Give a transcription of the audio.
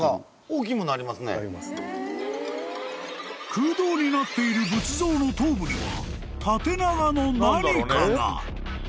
［空洞になっている仏像の頭部には縦長の何かが］